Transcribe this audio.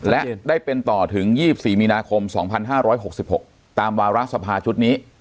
และได้เป็นต่อถึง๒๔มีนาคม๒๕๖๖ตามวาระสภาชุดนี้